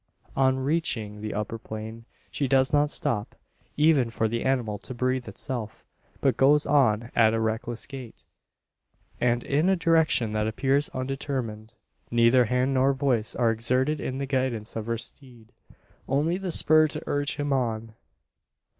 On reaching the upper plain, she does not stop even for the animal to breathe itself but goes on at a reckless gait, and in a direction that appears undetermined. Neither hand nor voice are exerted in the guidance of her steed only the spur to urge him on.